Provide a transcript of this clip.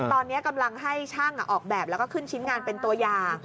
ตอนนี้กำลังให้ช่างออกแบบแล้วก็ขึ้นชิ้นงานเป็นตัวอย่าง